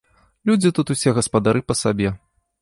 Людзі тут усе гаспадары па сабе.